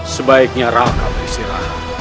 sebaiknya raka beristirahat